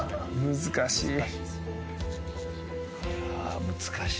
難しいな。